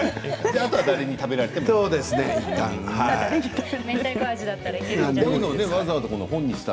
あとは誰に食べられてもいいと。